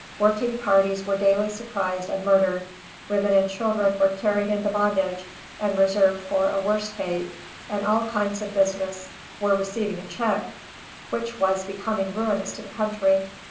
Working parties were daily surprised and murdered; women and children were carried into bondage, and reserved for a worse fate, and all kinds of business were receiving a check, which was becoming ruinous to the country.